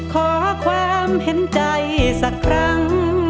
ขอความเห็นใจสักครั้ง